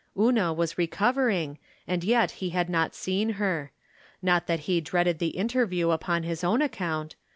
Una was recovering, and yet he had not seen her ; not that he dreaded the interview upon his own account.